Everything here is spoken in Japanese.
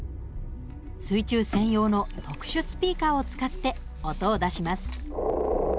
水中専用の特殊スピーカーを使って音を出します。